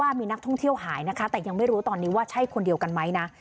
มีนักท่องเที่ยวหายนะคะแต่ยังไม่รู้ตอนนี้ว่าใช่คนเดียวกันไหมนะ